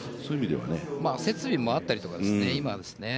設備もあったりとかね。